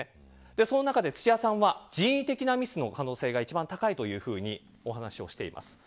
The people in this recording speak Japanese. その中で土屋さんは人為的なミスの可能性が一番高いというふうにお話をしています。